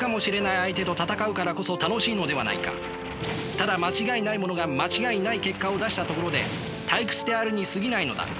ただ間違いないものが間違いない結果を出したところで退屈であるにすぎないのだ。